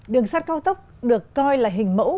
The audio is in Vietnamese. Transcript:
đường sắt cao tốc được coi là hình mẫu